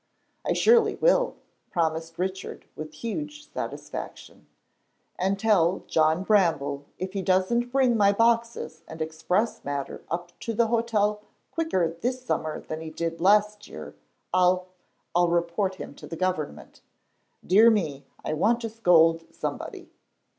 "I surely will," promised Richard with huge satisfaction. "And tell John Bramble if he doesn't bring my boxes and express matter up to the hotel quicker this summer than he did last year, I'll I'll report him to the government. Dear me, I want to scold somebody.